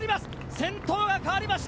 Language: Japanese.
先頭が変わりました。